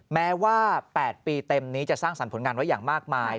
แม้ว่า๘ปีเต็มนี้จะสร้างสรรค์ผลงานไว้อย่างมากมาย